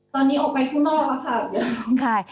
ตอนนี้ออกไปฟุ่นออกแล้วค่ะเดี๋ยว